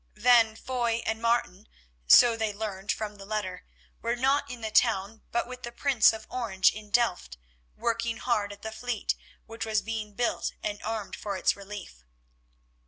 Then Foy and Martin, so they learned from the letter, were not in the town but with the Prince of Orange in Delft, working hard at the fleet which was being built and armed for its relief.